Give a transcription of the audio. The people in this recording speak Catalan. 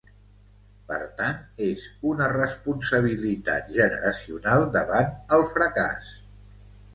Per tant, és una responsabilitat generacional davant el fracàs.